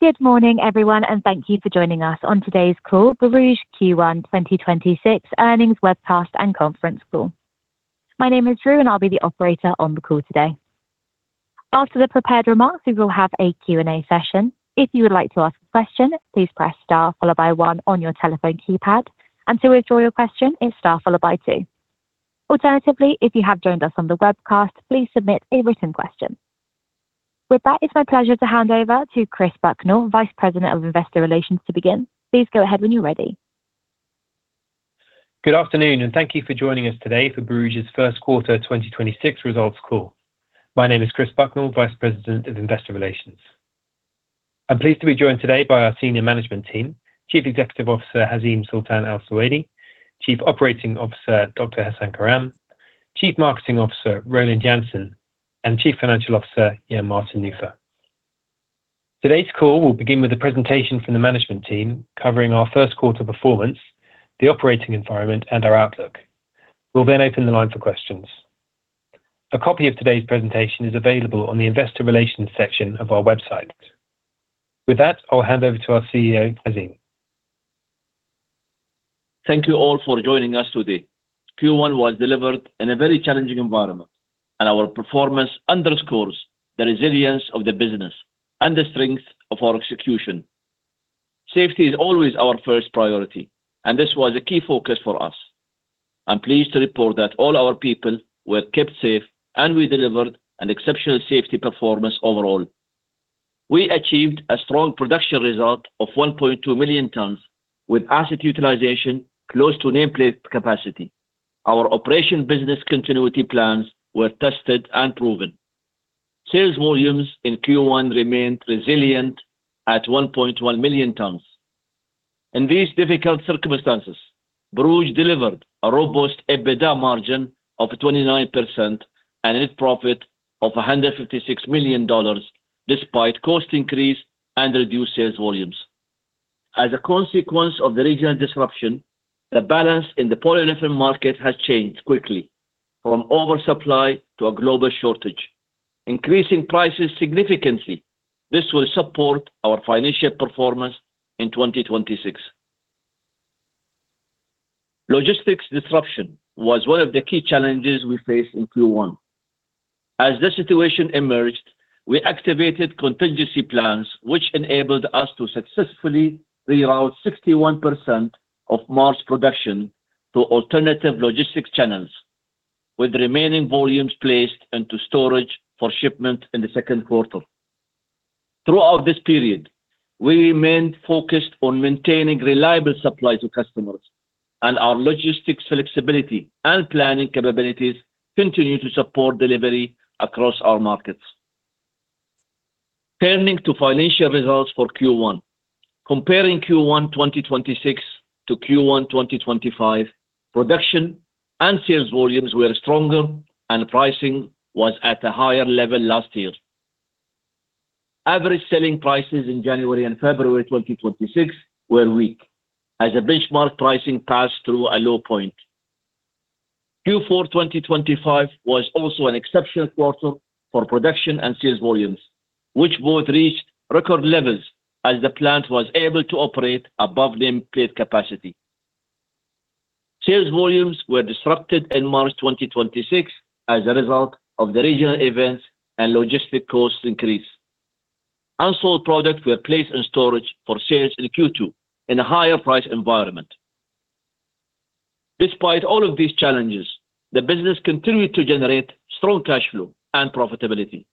Good morning, everyone, and thank you for joining us on today's call, Borouge Q1 2026 Earnings Webcast and Conference Call. My name is Drew, and I'll be the operator on the call today. After the prepared remarks, we will have a Q&A session. If you would like to ask a question, please press star followed by one on your telephone keypad, and to withdraw your question, it's star followed by two. Alternatively, if you have joined us on the webcast, please submit a written question. With that, it's my pleasure to hand over to Chris Bucknall, Vice President of Investor Relations, to begin. Please go ahead when you're ready. Good afternoon, and thank you for joining us today for Borouge's first quarter 2026 results call. My name is Chris Bucknall, Vice President of Investor Relations. I'm pleased to be joined today by our senior management team, Chief Executive Officer Hazeem Sultan Al Suwaidi, Chief Operating Officer Dr. Hasan Karam, Chief Marketing Officer Roland Janssen, and Chief Financial Officer Jan-Martin Nufer. Today's call will begin with a presentation from the management team covering our first quarter performance, the operating environment, and our outlook. We'll then open the line for questions. A copy of today's presentation is available on the investor relations section of our website. With that, I'll hand over to our CEO, Hazeem. Thank you all for joining us today. Q1 was delivered in a very challenging environment, and our performance underscores the resilience of the business and the strength of our execution. Safety is always our first priority, and this was a key focus for us. I'm pleased to report that all our people were kept safe, and we delivered an exceptional safety performance overall. We achieved a strong production result of 1.2 million tons with asset utilization close to nameplate capacity. Our operation business continuity plans were tested and proven. Sales volumes in Q1 remained resilient at 1.1 million tons. In these difficult circumstances, Borouge delivered a robust EBITDA margin of 29% and a net profit of $156 million despite cost increase and reduced sales volumes. As a consequence of the regional disruption, the balance in the polyolefin market has changed quickly from oversupply to a global shortage, increasing prices significantly. This will support our financial performance in 2026. Logistics disruption was one of the key challenges we faced in Q1. As the situation emerged, we activated contingency plans which enabled us to successfully reroute 61% of March production to alternative logistics channels, with remaining volumes placed into storage for shipment in the second quarter. Throughout this period, we remained focused on maintaining reliable supply to customers, and our logistics flexibility and planning capabilities continue to support delivery across our markets. Turning to financial results for Q1. Comparing Q1 2026 to Q1 2025, production and sales volumes were stronger, and pricing was at a higher level last year. Average selling prices in January and February 2026 were weak as a benchmark pricing passed through a low point. Q4 2025 was also an exceptional quarter for production and sales volumes, which both reached record levels as the plant was able to operate above nameplate capacity. Sales volumes were disrupted in March 2026 as a result of the regional events and logistic costs increase. Unsold products were placed in storage for sales in Q2 in a higher price environment. Despite all of these challenges, the business continued to generate strong cash flow and profitability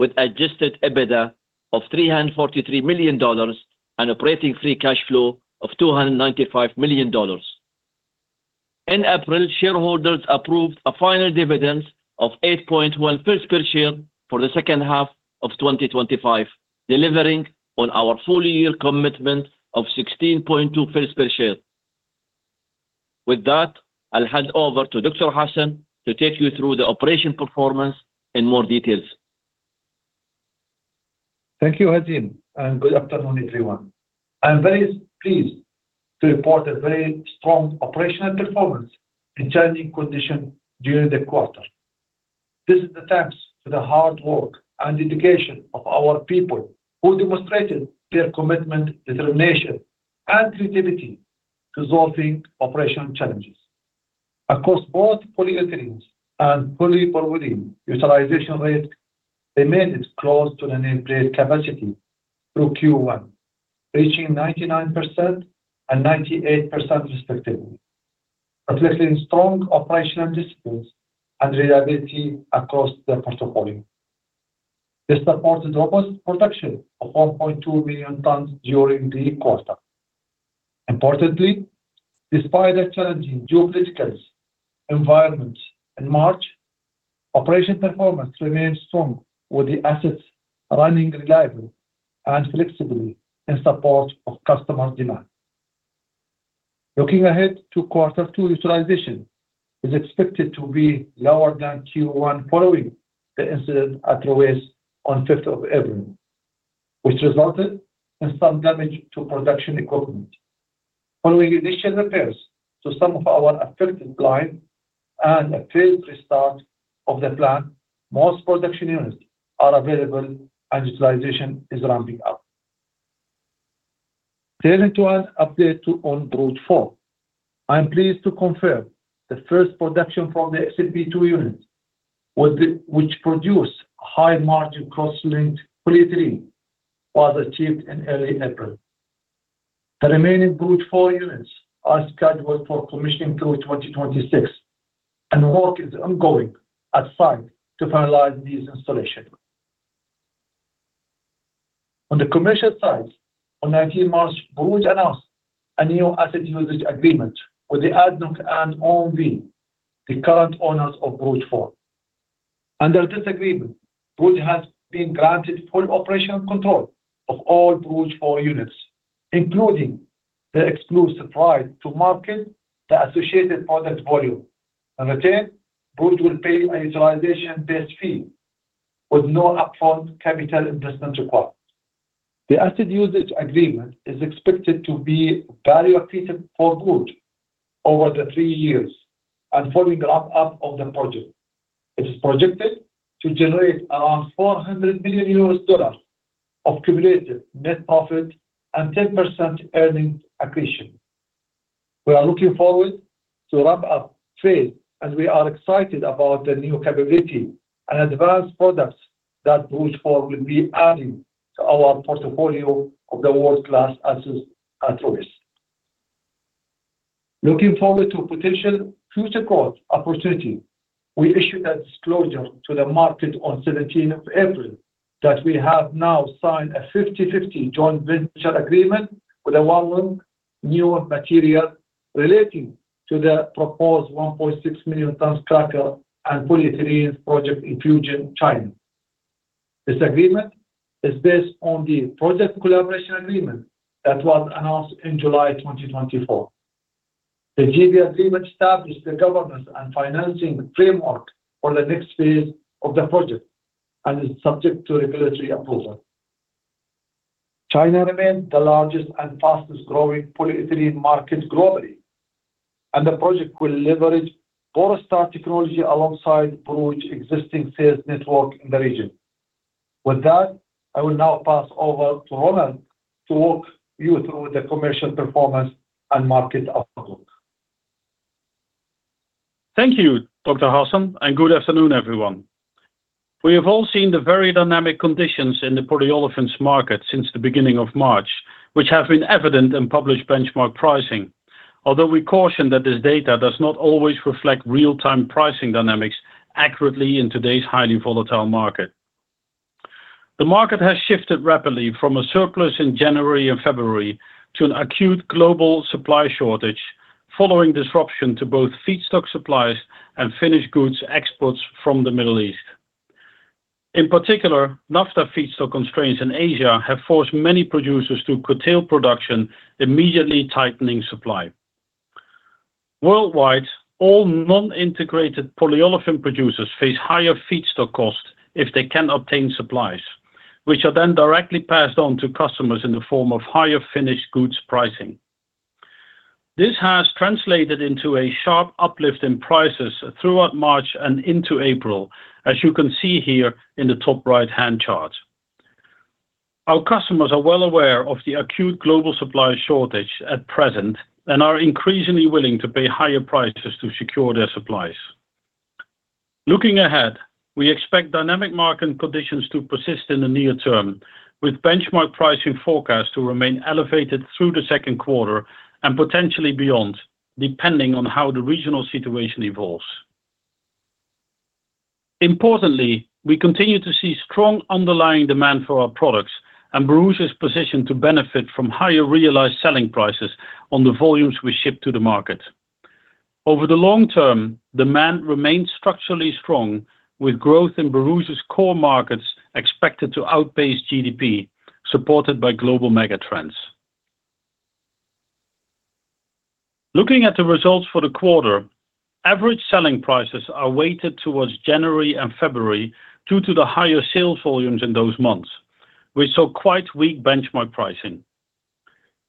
with adjusted EBITDA of $343 million and operating free cash flow of $295 million. In April, shareholders approved a final dividend of 0.081 per share for the second half of 2025, delivering on our full year commitment of 0.162 fils per share. With that, I'll hand over to Dr. Hasan to take you through the operation performance in more details. Thank you, Hazeem, and good afternoon, everyone. I am very pleased to report a very strong operational performance in challenging condition during the quarter. This is thanks to the hard work and dedication of our people, who demonstrated their commitment, determination, and creativity to resolving operational challenges. Across both polyolefins and polypropylene, utilization rate remained close to the nameplate capacity through Q1, reaching 99% and 98% respectively, reflecting strong operational disciplines and reliability across the portfolio. This supported robust production of 1.2 million tons during the quarter. Importantly, despite a challenging geopolitical environment in March, operation performance remained strong with the assets running reliably and flexibly in support of customer demand. Looking ahead to quarter two, utilization is expected to be lower than Q1 following the incident at Ruwais on 5th of April, which resulted in some damage to production equipment. Following additional repairs to some of our affected plants and a failed restart of the plant, most production units are available and utilization is ramping up. Turning to an update to on Borouge 4. I am pleased to confirm the first production from the XLPE 2 units was, which produced high margin cross-linked polyethylene was achieved in early April. The remaining Borouge 4 units are scheduled for commissioning through 2026, and work is ongoing at site to finalize these installations. On the commercial side, on 19th of March, Borouge announced a new asset usage agreement with the ADNOC and OMV, the current owners of Borouge 4. Under this agreement, Borouge has been granted full operational control of all Borouge 4 units, including the exclusive right to market the associated product volume. In return, Borouge will pay a utilization-based fee with no upfront capital investment required. The asset usage agreement is expected to be value accretive for Borouge over the three years and following ramp-up of the project. It is projected to generate around $400 million of cumulative net profit and 10% earnings accretion. We are looking forward to ramp-up phase, and we are excited about the new capability and advanced products that Borouge 4 will be adding to our portfolio of the world-class assets at Ruwais. Looking forward to potential future growth opportunity, we issued a disclosure to the market on 17th of April that we have now signed a 50/50 joint venture agreement with Wanhua New Materials relating to the proposed 1.6 million tons cracker and polyethylene project in Fujian, China. This agreement is based on the project collaboration agreement that was announced in July 2024. The JV agreement established the governance and financing framework for the next phase of the project and is subject to regulatory approval. China remains the largest and fastest growing polyethylene market globally. The project will leverage Borstar technology alongside Borouge existing sales network in the region. With that, I will now pass over to Roland to walk you through the commercial performance and market outlook. Thank you, Dr. Hasan, and good afternoon, everyone. We have all seen the very dynamic conditions in the polyolefins market since the beginning of March, which have been evident in published benchmark pricing. Although we caution that this data does not always reflect real-time pricing dynamics accurately in today's highly volatile market. The market has shifted rapidly from a surplus in January and February to an acute global supply shortage following disruption to both feedstock supplies and finished goods exports from the Middle East. In particular, naphtha feedstock constraints in Asia have forced many producers to curtail production, immediately tightening supply. Worldwide, all non-integrated polyolefin producers face higher feedstock costs if they can obtain supplies, which are then directly passed on to customers in the form of higher finished goods pricing. This has translated into a sharp uplift in prices throughout March and into April, as you can see here in the top right-hand chart. Our customers are well aware of the acute global supply shortage at present and are increasingly willing to pay higher prices to secure their supplies. Looking ahead, we expect dynamic market conditions to persist in the near term, with benchmark pricing forecast to remain elevated through the second quarter and potentially beyond, depending on how the regional situation evolves. Importantly, we continue to see strong underlying demand for our products, and Borouge is positioned to benefit from higher realized selling prices on the volumes we ship to the market. Over the long term, demand remains structurally strong, with growth in Borouge's core markets expected to outpace GDP, supported by global megatrends. Looking at the results for the quarter, average selling prices are weighted towards January and February due to the higher sales volumes in those months. We saw quite weak benchmark pricing.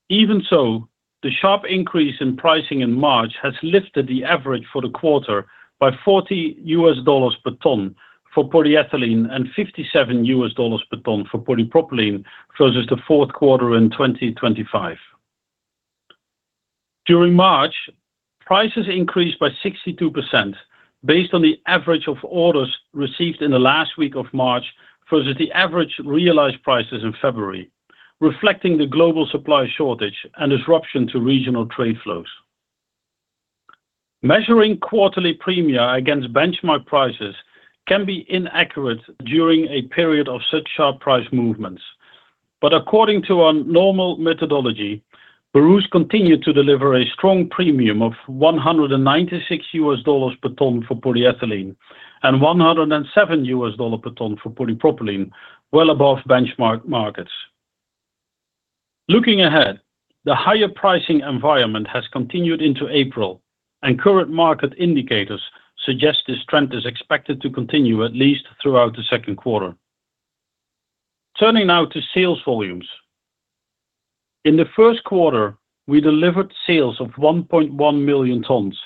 Even so, the sharp increase in pricing in March has lifted the average for the quarter by $40 per ton for polyethylene and $57 per ton for polypropylene versus the fourth quarter in 2025. During March, prices increased by 62% based on the average of orders received in the last week of March versus the average realized prices in February, reflecting the global supply shortage and disruption to regional trade flows. Measuring quarterly premia against benchmark prices can be inaccurate during a period of such sharp price movements. According to our normal methodology, Borouge continued to deliver a strong premium of $196 per ton for polyethylene and $107 per ton for polypropylene, well above benchmark markets. Looking ahead, the higher pricing environment has continued into April, and current market indicators suggest this trend is expected to continue at least throughout the second quarter. Turning now to sales volumes. In the first quarter, we delivered sales of 1.1 million tons,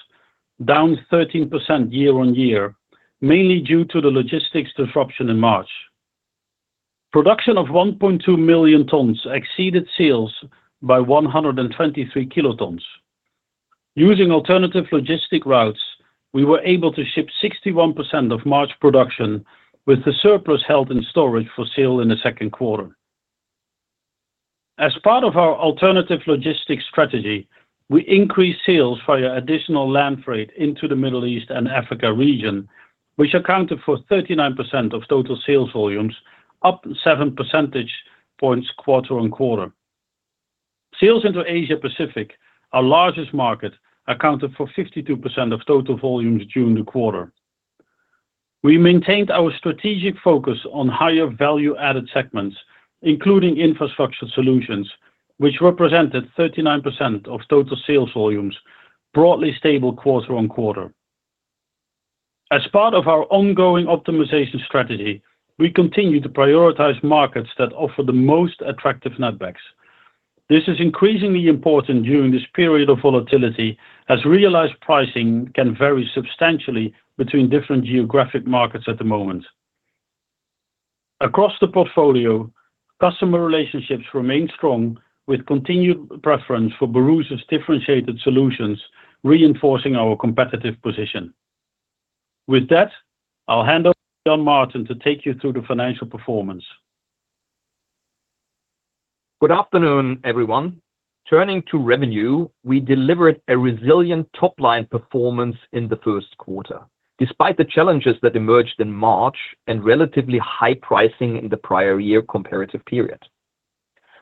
down 13% year-on-year, mainly due to the logistics disruption in March. Production of 1.2 million tons exceeded sales by 123 kilotons. Using alternative logistic routes, we were able to ship 61% of March production with the surplus held in storage for sale in the second quarter. As part of our alternative logistics strategy, we increased sales via additional land freight into the Middle East and Africa region, which accounted for 39% of total sales volumes, up seven percentage points quarter-on-quarter. Sales into Asia-Pacific, our largest market, accounted for 52% of total volumes during the quarter. We maintained our strategic focus on higher value-added segments, including Infrastructure Solutions, which represented 39% of total sales volumes, broadly stable quarter-on-quarter. As part of our ongoing optimization strategy, we continue to prioritize markets that offer the most attractive netbacks. This is increasingly important during this period of volatility as realized pricing can vary substantially between different geographic markets at the moment. Across the portfolio, customer relationships remain strong with continued preference for Borouge's differentiated solutions, reinforcing our competitive position. With that, I'll hand over to Jan-Martin to take you through the financial performance. Good afternoon, everyone. Turning to revenue, we delivered a resilient top-line performance in the first quarter, despite the challenges that emerged in March and relatively high pricing in the prior year comparative period.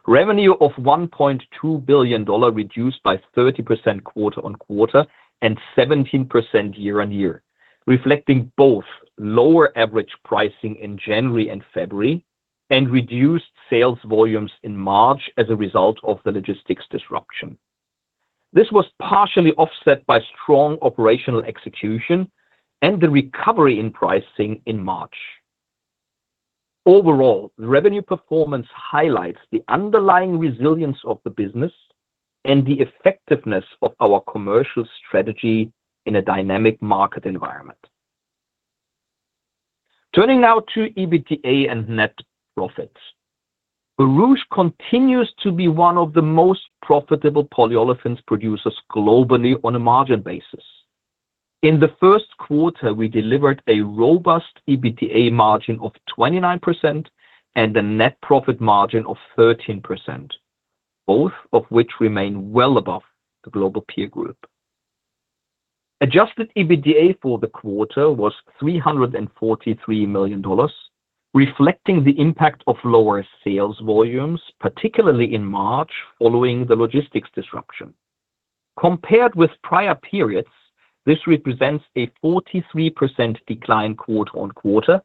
Revenue of $1.2 billion reduced by 30% quarter-on-quarter and 17% year-on-year, reflecting both lower average pricing in January and February and reduced sales volumes in March as a result of the logistics disruption. This was partially offset by strong operational execution and the recovery in pricing in March. Overall, the revenue performance highlights the underlying resilience of the business and the effectiveness of our commercial strategy in a dynamic market environment. Turning now to EBITDA and net profits. Borouge continues to be one of the most profitable polyolefins producers globally on a margin basis. In the first quarter, we delivered a robust EBITDA margin of 29% and a net profit margin of 13%, both of which remain well above the global peer group. Adjusted EBITDA for the quarter was $343 million, reflecting the impact of lower sales volumes, particularly in March, following the logistics disruption. Compared with prior periods, this represents a 43% decline quarter-on-quarter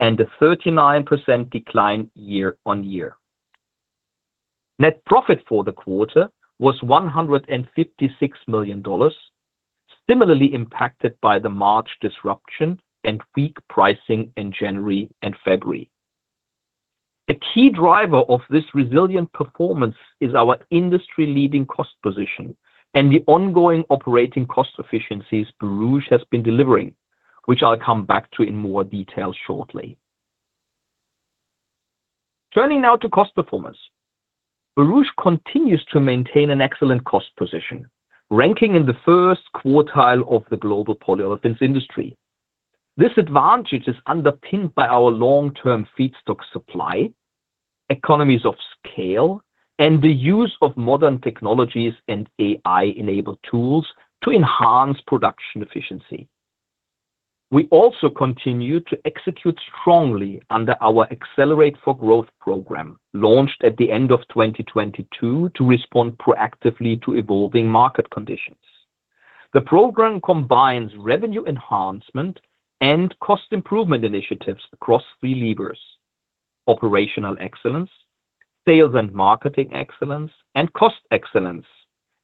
and a 39% decline year-on-year. Net profit for the quarter was $156 million, similarly impacted by the March disruption and weak pricing in January and February. A key driver of this resilient performance is our industry-leading cost position and the ongoing operating cost efficiencies Borouge has been delivering, which I'll come back to in more detail shortly. Turning now to cost performance. Borouge continues to maintain an excellent cost position, ranking in the first quartile of the global polyolefins industry. This advantage is underpinned by our long-term feedstock supply, economies of scale, and the use of modern technologies and AI-enabled tools to enhance production efficiency. We also continue to execute strongly under our Accelerate for Growth program, launched at the end of 2022 to respond proactively to evolving market conditions. The program combines revenue enhancement and cost improvement initiatives across three levers: operational excellence, sales and marketing excellence, and cost excellence,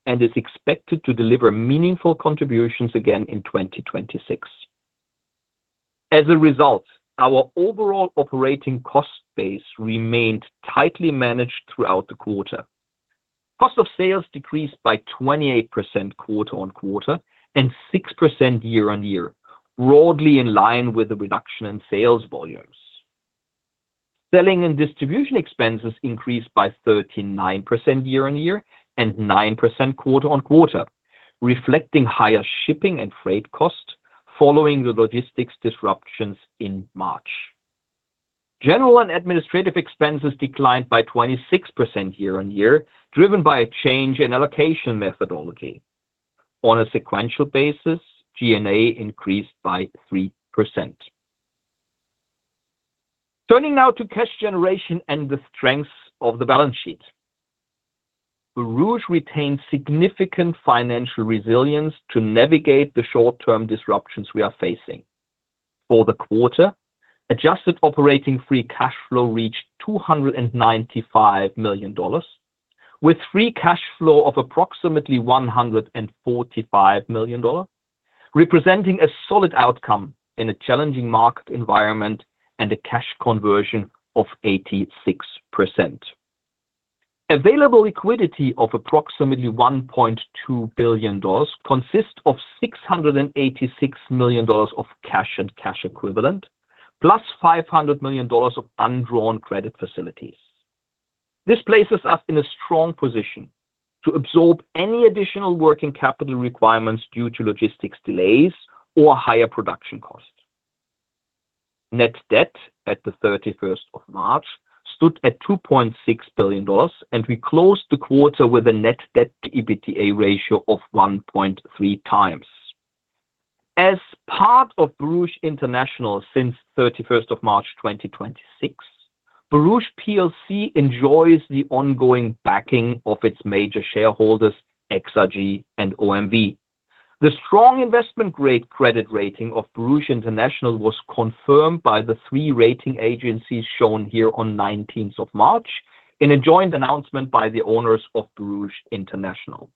and is expected to deliver meaningful contributions again in 2026. As a result, our overall operating cost base remained tightly managed throughout the quarter. Cost of sales decreased by 28% quarter-on-quarter and 6% year-on-year, broadly in line with the reduction in sales volumes. Selling and distribution expenses increased by 39% year-on-year and 9% quarter-on-quarter, reflecting higher shipping and freight cost following the logistics disruptions in March. General and administrative expenses declined by 26% year-on-year, driven by a change in allocation methodology. On a sequential basis, G&A increased by 3%. Turning now to cash generation and the strength of the balance sheet. Borouge retains significant financial resilience to navigate the short-term disruptions we are facing. For the quarter, adjusted operating free cash flow reached $295 million. With free cash flow of approximately $145 million, representing a solid outcome in a challenging market environment and a cash conversion of 86%. Available liquidity of approximately $1.2 billion consists of $686 million of cash and cash equivalent, plus $500 million of undrawn credit facilities. This places us in a strong position to absorb any additional working capital requirements due to logistics delays or higher production costs. Net debt at the 31st of March, stood at $2.6 billion, and we closed the quarter with a net debt to EBITDA ratio of 1.3x. As part of Borouge International since 31st of March, 2026, Borouge PLC enjoys the ongoing backing of its major shareholders, XRG and OMV. The strong investment-grade credit rating of Borouge International was confirmed by the three rating agencies shown here on 19th of March in a joint announcement by the owners of Borouge International.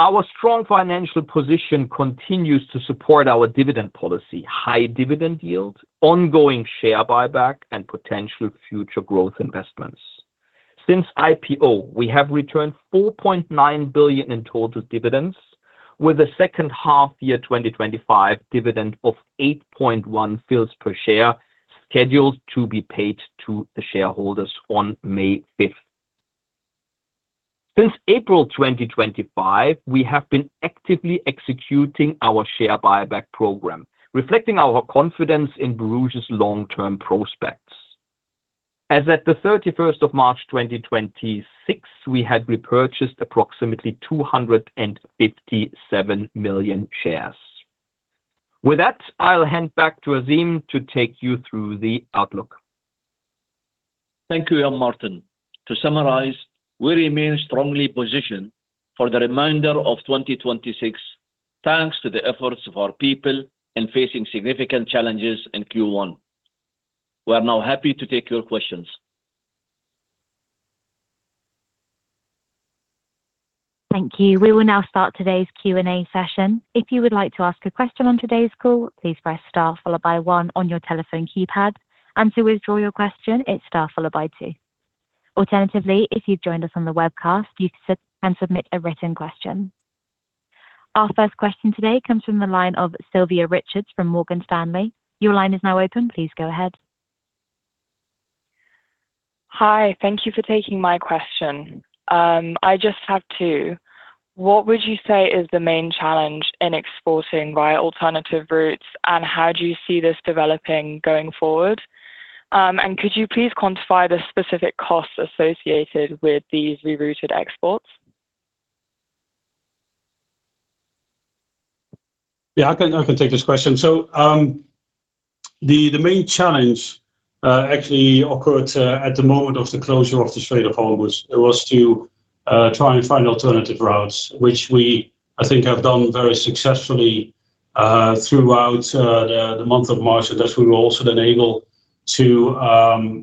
Our strong financial position continues to support our dividend policy, high dividend yield, ongoing share buyback, and potential future growth investments. Since IPO, we have returned 4.9 billion in total dividends, with a second half-year 2025 dividend of 0.081 fils per share scheduled to be paid to the shareholders on May 5th. Since April 2025, we have been actively executing our share buyback program, reflecting our confidence in Borouge's long-term prospects. As at 31st of March, 2026, we had repurchased approximately 257 million shares. With that, I'll hand back to Hazeem to take you through the outlook. Thank you, Jan-Martin. To summarize, we remain strongly positioned for the remainder of 2026, thanks to the efforts of our people in facing significant challenges in Q1. We are now happy to take your questions. Thank you. We will now start today's Q&A session. If you would like to ask a question on today's call, please press star followed by one on your telephone keypad. To withdraw your question, it's star followed by two. Alternatively, if you've joined us on the webcast, you can submit a written question. Our first question today comes from the line of Sylvia Richards from Morgan Stanley. Your line is now open. Please go ahead. Hi. Thank you for taking my question. I just have. What would you say is the main challenge in exporting via alternative routes, and how do you see this developing going forward? Could you please quantify the specific costs associated with these rerouted exports? Yeah, I can take this question. The main challenge actually occurred at the moment of the closure of the Strait of Hormuz. It was to try and find alternative routes, which we, I think, have done very successfully throughout the month of March, that we were also then able to,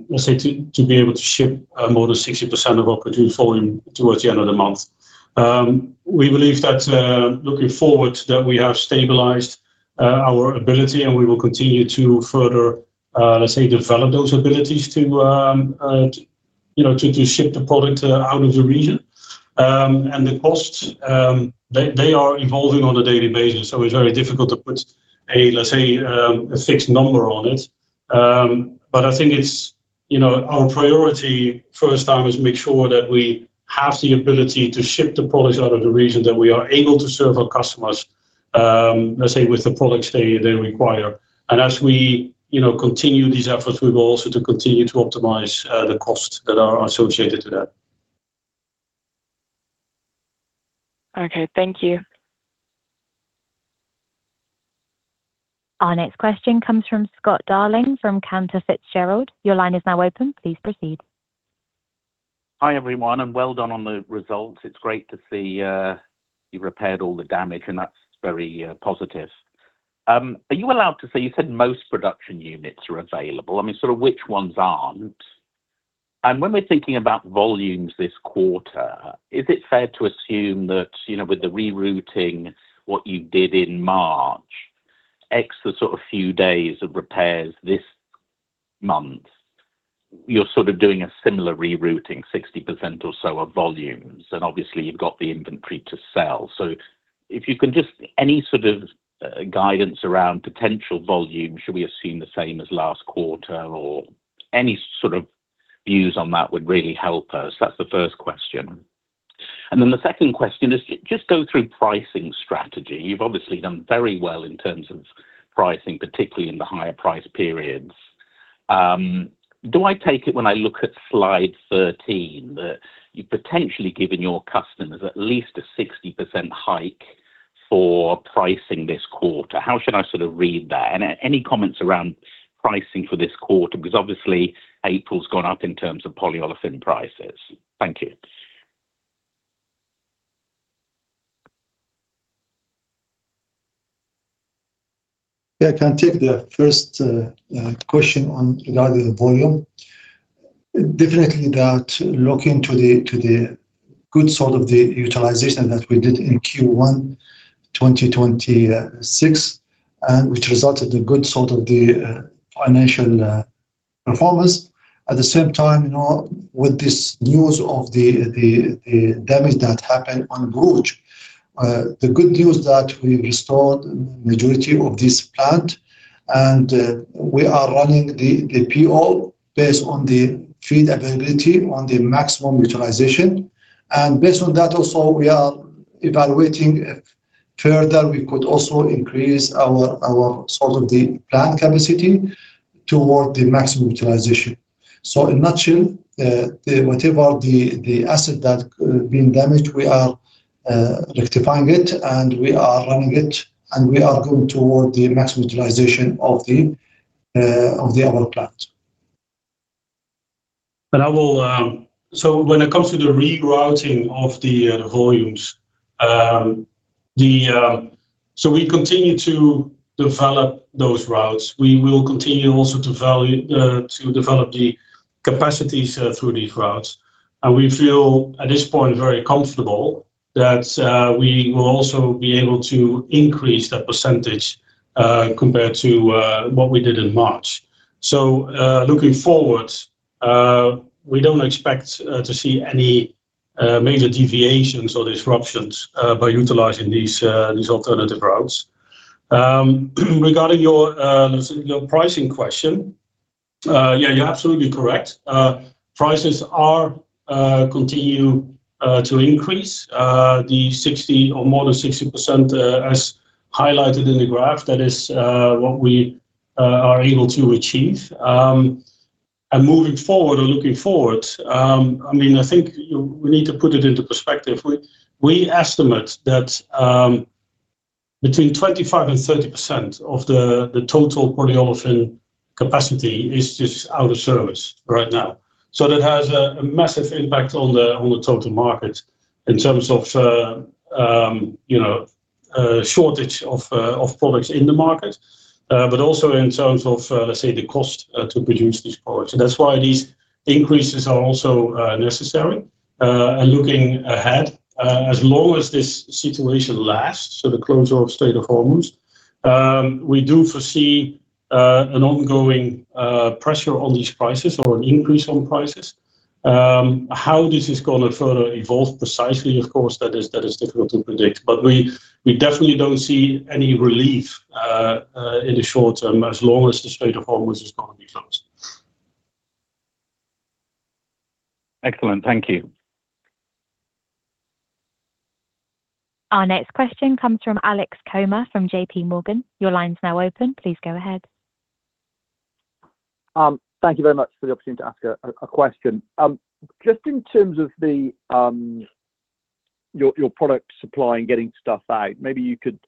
let's say, to be able to ship more than 60% of our production volume towards the end of the month. We believe that looking forward, that we have stabilized our ability, and we will continue to further, let's say, develop those abilities to, you know, to ship the product out of the region. The costs, they are evolving on a daily basis, so it's very difficult to put a, let's say, a fixed number on it. I think it's, you know, our priority first time is make sure that we have the ability to ship the products out of the region, that we are able to serve our customers, let's say with the products they require. As we, you know, continue these efforts, we will also to continue to optimize the costs that are associated to that. Okay. Thank you. Our next question comes from Scott Darling from Cantor Fitzgerald. Your line is now open. Please proceed. Hi, everyone, well done on the results. It's great to see, you repaired all the damage, and that's very positive. Are you allowed to say, you said most production units are available. I mean, sort of which ones aren't? When we're thinking about volumes this quarter, is it fair to assume that, you know, with the rerouting what you did in March, X the sort of few days of repairs this month, you're sort of doing a similar rerouting 60% or so of volumes, and obviously you've got the inventory to sell. If you can just any sort of, guidance around potential volume, should we assume the same as last quarter, or any sort of views on that would really help us. That's the first question. Then the second question is just go through pricing strategy. You've obviously done very well in terms of pricing, particularly in the higher price periods. Do I take it when I look at slide 13 that you've potentially given your customers at least a 60% hike for pricing this quarter? How should I sort of read that? Any comments around pricing for this quarter? Because obviously April's gone up in terms of polyolefin prices. Thank you. Yeah, I can take the first question on regarding the volume. Definitely that looks into the good sort of the utilization that we did in Q1 2026, and which resulted in good sort of the financial performance. At the same time, with this news of the damage that happened on Borouge, the good news that we restored majority of this plant and we are running the PO based on the feed availability on the maximum utilization. Based on that also, we are evaluating if further we could also increase our sort of the plant capacity toward the maximum utilization. In a nutshell, whatever the asset that could have been damaged, we are rectifying it, and we are running it, and we are going toward the maximum utilization of the other plant. I will. When it comes to the rerouting of the volumes, we continue to develop those routes. We will continue also to value, to develop the capacities through these routes. We feel at this point, very comfortable that we will also be able to increase that percentage compared to what we did in March. Looking forward, we don't expect to see any major deviations or disruptions by utilizing these alternative routes. Regarding your pricing question, yeah, you're absolutely correct. Prices are continue to increase. The 60% or more than 60%, as highlighted in the graph, that is what we are able to achieve. Moving forward or looking forward, I think we need to put it into perspective. We estimate that between 25% and 30% of the total polyolefins capacity is out of service right now. That has a massive impact on the total market in terms of, you know, shortage of products in the market. Also in terms of, let's say, the cost to produce these products. That's why these increases are also necessary. Looking ahead, as long as this situation lasts, so the closure of Strait of Hormuz, we do foresee an ongoing pressure on these prices or an increase on prices. How this is gonna further evolve precisely, of course, that is difficult to predict. We definitely don't see any relief in the short term as long as the Strait of Hormuz is going to be closed. Excellent. Thank you. Our next question comes from Alex Comer from JPMorgan. Your line's now open. Please go ahead. Thank you very much for the opportunity to ask a question. Just in terms of the, your product supply and getting stuff out, maybe you could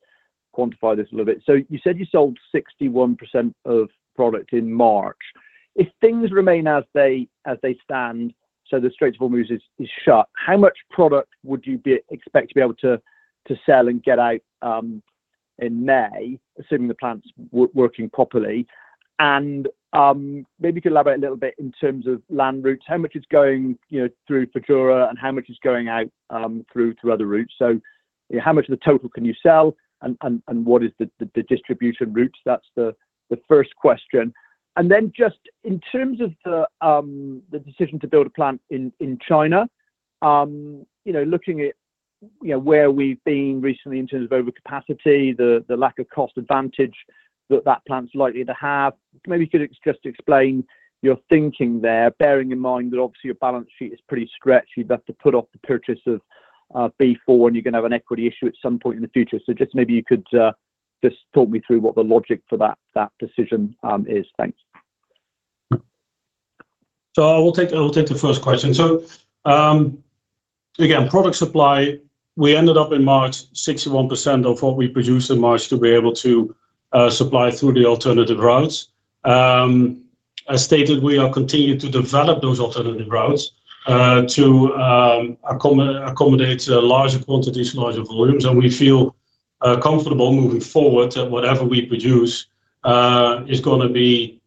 quantify this a little bit. You said you sold 61% of product in March. If things remain as they stand, so the Strait of Hormuz is shut, how much product would you expect to be able to sell and get out in May, assuming the plant's working properly? Maybe you could elaborate a little bit in terms of land routes. How much is going, you know, through Socotra and how much is going out through other routes? How much of the total can you sell and what is the distribution routes? That's the first question. Just in terms of the decision to build a plant in China, you know, looking at, you know, where we've been recently in terms of overcapacity, the lack of cost advantage that that plant's likely to have. Maybe you could just explain your thinking there, bearing in mind that obviously your balance sheet is pretty stretched. You've had to put off the purchase of B4, and you're gonna have an equity issue at some point in the future. Just maybe you could just talk me through what the logic for that decision is. Thanks. I will take the first question. Again, product supply, we ended up in March, 61% of what we produced in March to be able to supply through the alternative routes. As stated, we are continuing to develop those alternative routes to accommodate larger quantities, larger volumes. We feel comfortable moving forward that whatever we produce is gonna be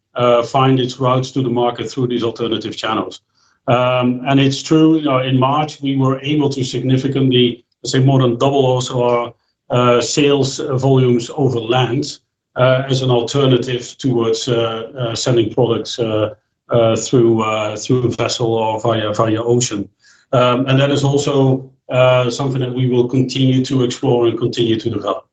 find its routes to the market through these alternative channels. It's true, you know, in March, we were able to significantly, say, more than double also our sales volumes over land as an alternative towards selling products through vessel or via ocean. That is also something that we will continue to explore and continue to develop.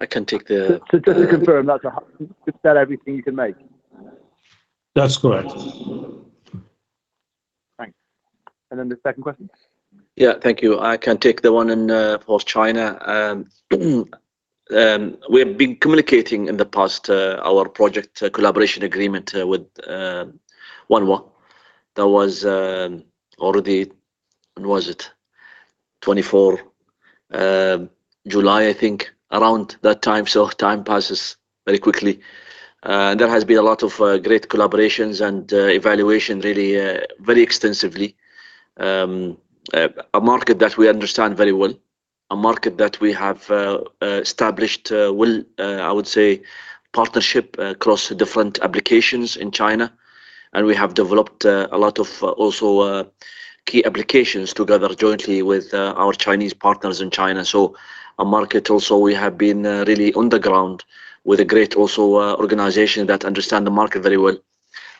I can take. Just to confirm is that everything you can make? That's correct. Thanks. The second question. Yeah. Thank you. I can take the one in for China. We've been communicating in the past our project collaboration agreement with Wanhua. That was already. When was it? July 2024, I think, around that time. Time passes very quickly. There has been a lot of great collaborations and evaluation really, very extensively. A market that we understand very well, a market that we have established well, I would say partnership across different applications in China. We have developed a lot of also key applications together jointly with our Chinese partners in China. A market also we have been really on the ground with a great also organization that understand the market very well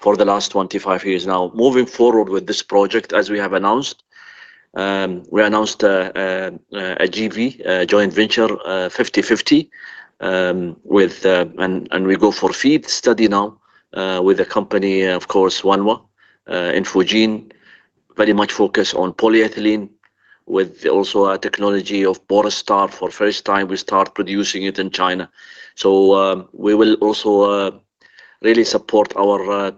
for the last 25 years. Now, moving forward with this project, as we have announced, we announced a JV, a joint venture, 50/50, with. We go for feed study now with a company, of course, Wanhua in Fujian, very much focused on polyethylene with also our technology of Borstar. For first time, we start producing it in China. We will also really support our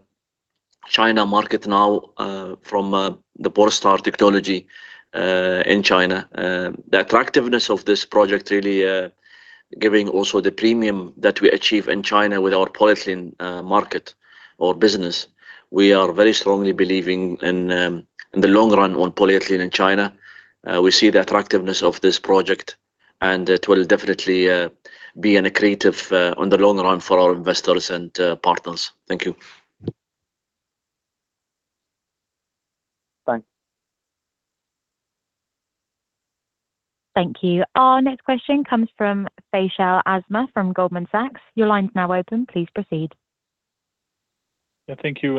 China market now from the Borstar technology in China. The attractiveness of this project really giving also the premium that we achieve in China with our polyethylene market or business. We are very strongly believing in the long run on polyethylene in China. We see the attractiveness of this project, and it will definitely be accretive on the long run for our investors and partners. Thank you. Thanks. Thank you. Our next question comes from Faisal Al Azmeh from Goldman Sachs. Your line is now open. Please proceed. Yeah, thank you.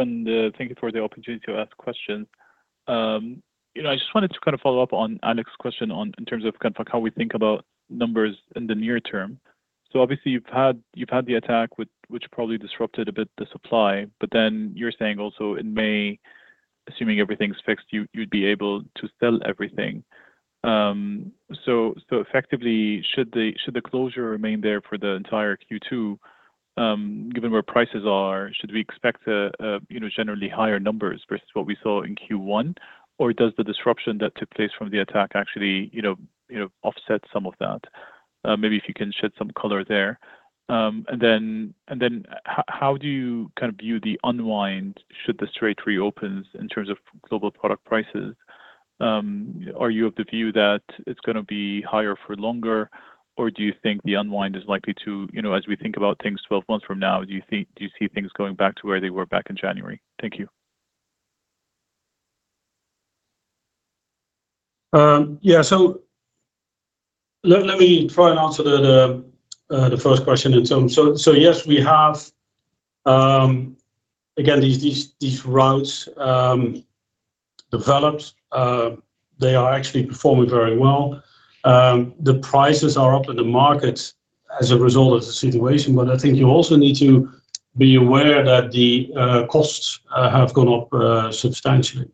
Thank you for the opportunity to ask questions. You know, I just wanted to kind of follow up on Alex's question on in terms of kind of like how we think about numbers in the near term. Obviously, you've had the attack which probably disrupted a bit the supply, but then you're saying also in May, assuming everything's fixed, you'd be able to sell everything. Effectively, should the closure remain there for the entire Q2, given where prices are, should we expect a, you know, generally higher numbers versus what we saw in Q1? Does the disruption that took place from the attack actually, you know, offset some of that? Maybe if you can shed some color there. How do you kind of view the unwind should the Strait reopens in terms of global product prices? Are you of the view that it's gonna be higher for longer? Do you think the unwind is likely to, you know, as we think about things 12 months from now, do you see things going back to where they were back in January? Thank you. Yeah. Let me try and answer the first question. Yes, we have again, these routes developed. They are actually performing very well. The prices are up in the market as a result of the situation. I think you also need to be aware that the costs have gone up substantially.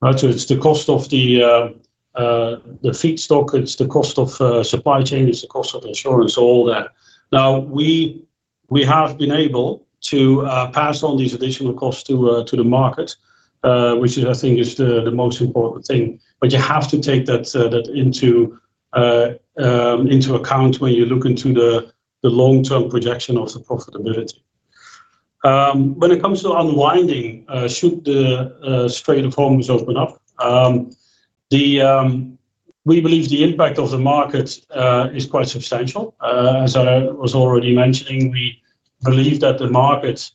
Right. It's the cost of the feedstock, it's the cost of supply chain, it's the cost of insurance, all that. Now, we have been able to pass on these additional costs to the market, which is I think is the most important thing. You have to take that into account when you look into the long-term projection of the profitability. When it comes to unwinding, should the Strait of Hormuz open up, we believe the impact of the market is quite substantial. As I was already mentioning, we believe that the market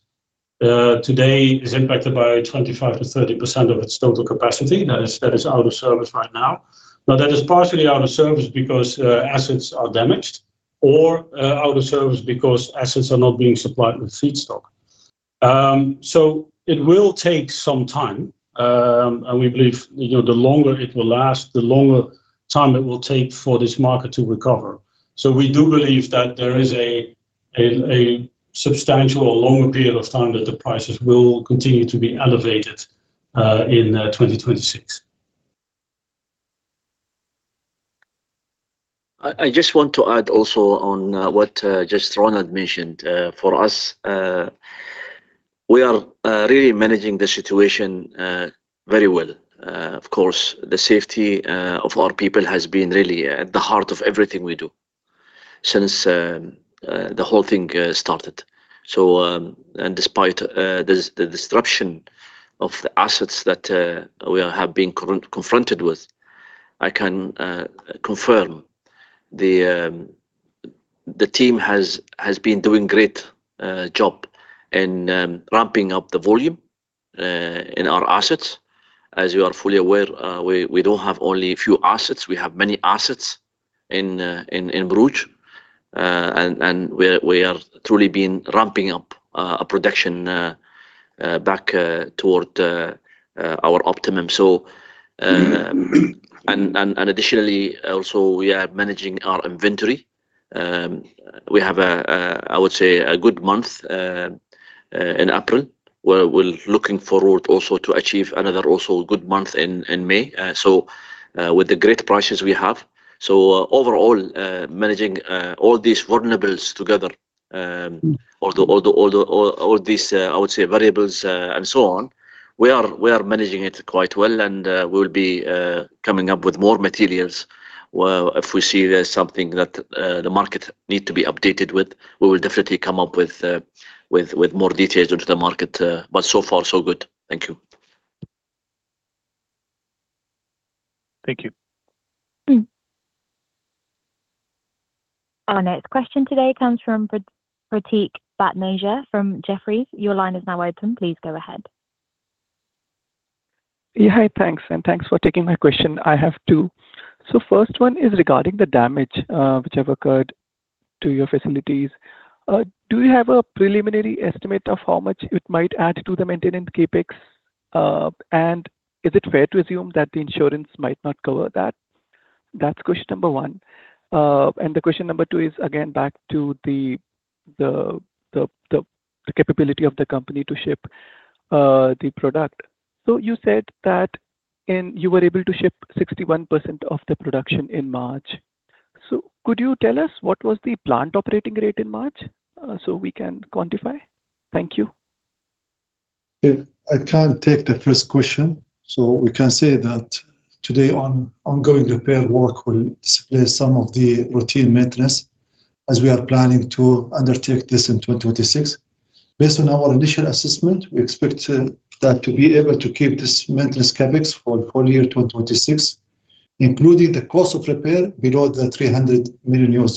today is impacted by 25%-30% of its total capacity. That is out of service right now. That is partially out of service because assets are damaged or out of service because assets are not being supplied with feedstock. It will take some time, and we believe, you know, the longer it will last, the longer time it will take for this market to recover. We do believe that there is a substantial longer period of time that the prices will continue to be elevated in 2026. I just want to add also on what just Roland mentioned. For us, we are really managing the situation very well. Of course, the safety of our people has been really at the heart of everything we do since the whole thing started. Despite this, the disruption of the assets that we have been confronted with, I can confirm the team has been doing great job in ramping up the volume in our assets. As you are fully aware, we don't have only a few assets, we have many assets in Borouge. We are truly been ramping up our production back toward our optimum. And additionally, also we are managing our inventory. We have a, I would say, a good month in April. We're looking forward also to achieve another good month in May, so, with the great prices we have. Overall, managing all these variables together. All these, I would say variables, and so on. We are managing it quite well, and we'll be coming up with more materials, if we see there's something that the market need to be updated with. We will definitely come up with more details onto the market, but so far so good. Thank you. Thank you. Our next question today comes from Prateek Bhatnagar from Jefferies. Your line is now open. Please go ahead. Hi. Thanks, and thanks for taking my question. I have two. First one is regarding the damage which have occurred to your facilities. Do you have a preliminary estimate of how much it might add to the maintenance CapEx? Is it fair to assume that the insurance might not cover that? That's question number one. The question number two is again back to the capability of the company to ship the product. You said that you were able to ship 61% of the production in March. Could you tell us what was the plant operating rate in March, so we can quantify? Thank you. Yeah, I can take the first question. We can say that today on ongoing repair work will display some of the routine maintenance as we are planning to undertake this in 2026. Based on our initial assessment, we expect that to be able to keep this maintenance CapEx for full year 2026, including the cost of repair below $300 million.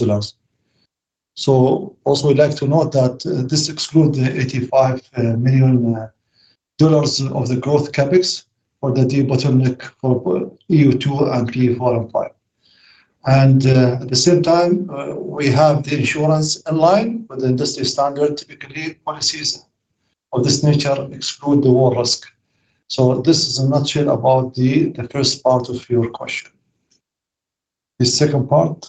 Also we'd like to note that this excludes the $85 million of the growth CapEx for the bottleneck for EU2 and PE4 and PE5. At the same time, we have the insurance in line with industry standard. Typically, policies of this nature exclude the war risk. This is a nutshell about the first part of your question. The second part.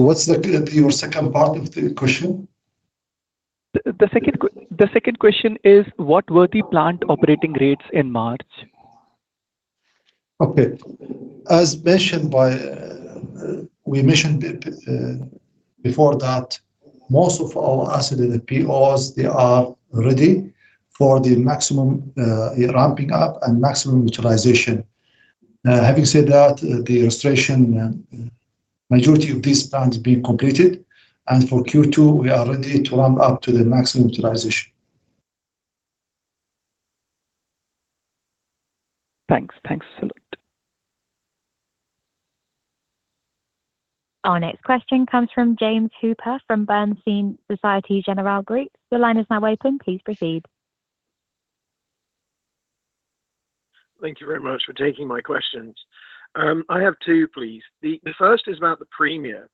What's the your second part of the question? The second question is what were the plant operating rates in March? Okay. As mentioned by, we mentioned it before that most of our assets and POs, they are ready for the maximum ramping up and maximum utilization. Having said that, the restoration and majority of these plants being completed, and for Q2, we are ready to ramp up to the maximum utilization. Thanks. Thanks a lot. Our next question comes from James Hooper from Bernstein Societe Generale Group. Your line is now open. Please proceed. Thank you very much for taking my questions. I have two, please. The first is about the premium.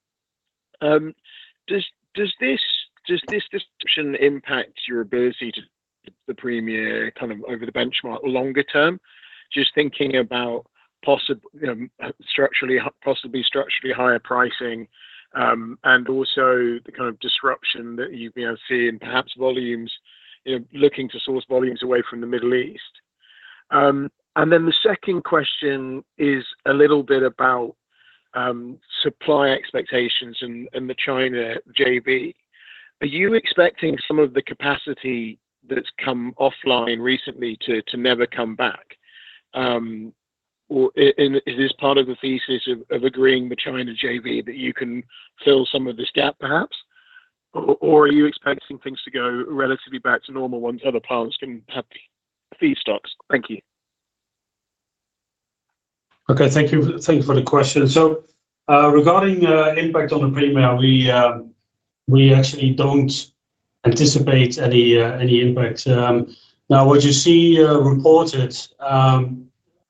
Does this disruption impact your ability to the premium kind of over the benchmark longer term? Just thinking about you know, structurally, possibly structurally higher pricing, and also the kind of disruption that you know, see in perhaps volumes, you know, looking to source volumes away from the Middle East. The second question is a little bit about supply expectations and the China JV. Are you expecting some of the capacity that's come offline recently to never come back? Is this part of the thesis of agreeing with China JV that you can fill some of this gap perhaps? Are you expecting things to go relatively back to normal once other plants can have feedstocks? Thank you. Okay. Thank you. Thank you for the question. Regarding impact on the premium, we actually don't anticipate any impact. Now what you see reported,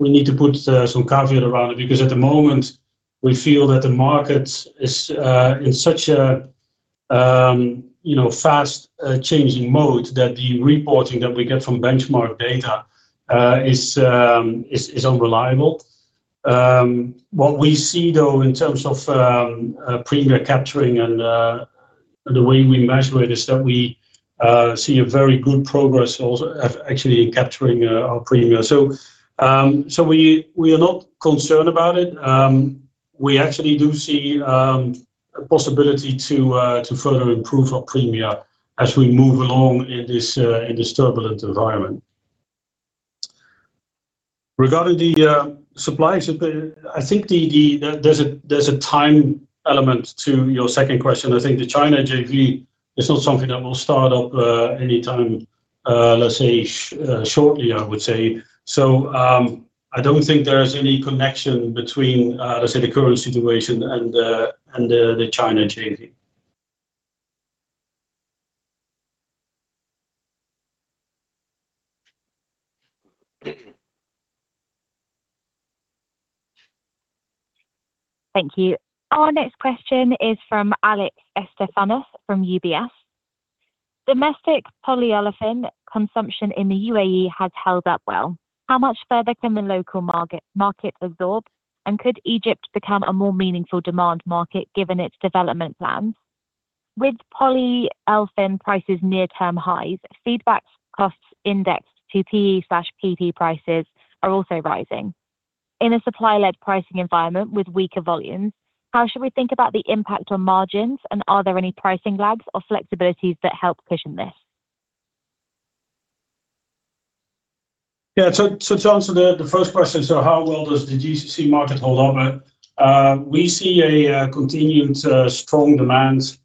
we need to put some caveat around it because at the moment we feel that the market is in such a, you know, fast changing mode that the reporting that we get from benchmark data is unreliable. What we see though in terms of premium capturing and the way we measure it is that we see a very good progress also of actually capturing our premium. We are not concerned about it. We actually do see a possibility to further improve our premium as we move along in this turbulent environment. Regarding the supply, I think there's a time element to your second question. I think the China JV is not something that will start up anytime shortly, I would say. I don't think there is any connection between the current situation and the China JV. Thank you. Our next question is from Alex Estefanous from UBS. Domestic polyolefin consumption in the UAE has held up well. How much further can the local market absorb? Could Egypt become a more meaningful demand market given its development plans? With polyolefin prices near term highs, feedstock costs indexed to PE/PP prices are also rising. In a supply-led pricing environment with weaker volumes, how should we think about the impact on margins, and are there any pricing lags or flexibilities that help cushion this? Yeah. To answer the first question, how well does the GCC market hold up? We see continued strong demand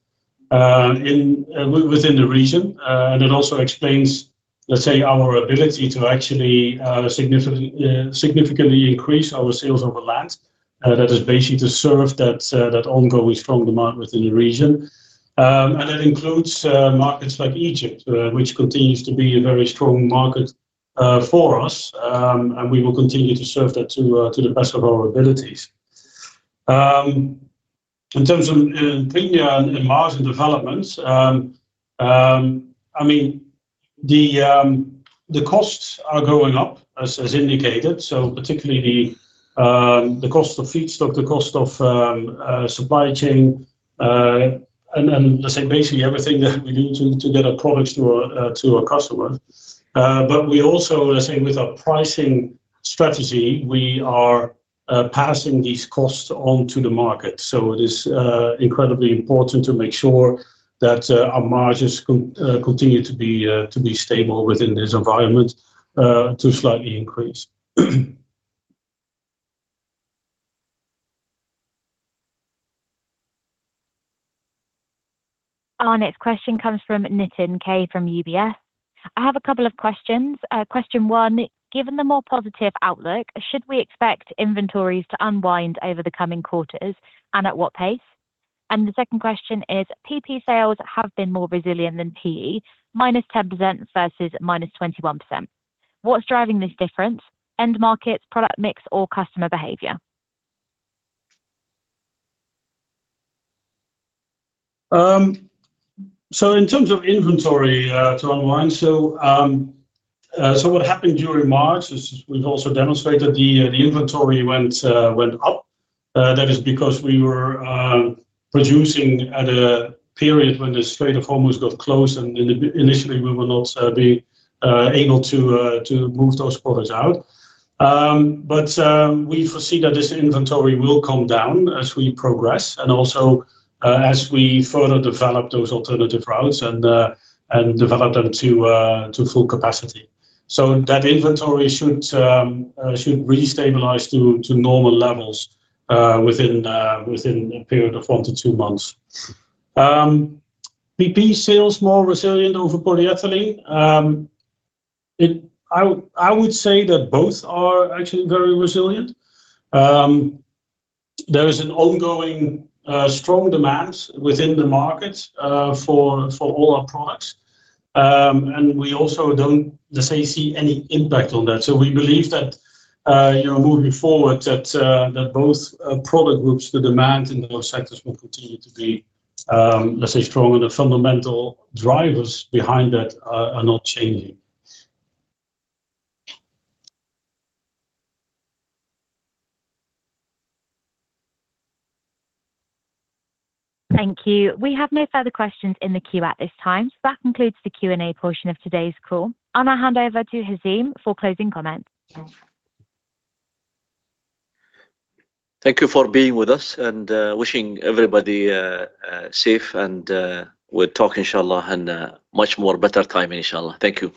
within the region. And it also explains, let's say, our ability to actually significantly increase our sales over land. That is basically to serve that ongoing strong demand within the region. And that includes markets like Egypt, which continues to be a very strong market for us. And we will continue to serve that to the best of our abilities. In terms of premium and margin developments, I mean, the costs are going up, as indicated. Particularly the cost of feedstock, the cost of supply chain, and let's say basically everything that we need to get our products to a customer. But we also, let's say with our pricing strategy, we are passing these costs on to the market. It is incredibly important to make sure that our margins continue to be stable within this environment, to slightly increase. Our next question comes from Nitin K. from UBS. I have a couple of questions. Question one, given the more positive outlook, should we expect inventories to unwind over the coming quarters, and at what pace? The second question is, PP sales have been more resilient than PE, minus 10% versus minus 21%. What's driving this difference? End markets, product mix, or customer behavior? In terms of inventory to unwind, what happened during March is we've also demonstrated the inventory went up. That is because we were producing at a period when the Strait of Hormuz got closed, and initially, we were not able to move those products out. We foresee that this inventory will come down as we progress and also as we further develop those alternative routes and develop them to full capacity. That inventory should really stabilize to normal levels within a period of one to two months. PP sales more resilient over polyethylene. I would say that both are actually very resilient. There is an ongoing strong demand within the market for all our products. We also don's, let's say, see any impact on that. We believe that, you know, moving forward that both product groups, the demand in those sectors will continue to be, let's say strong, and the fundamental drivers behind that are not changing. Thank you. We have no further questions in the queue at this time. That concludes the Q&A portion of today's call. I'm going to hand over to Hazeem for closing comments. Thank you for being with us and wishing everybody a safe and we'll talk inshallah in a much more better time, inshallah. Thank you.